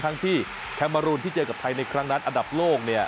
ทั้งที่แคมมารูนที่เจอกับไทยในครั้งนั้นอันดับโลกเนี่ย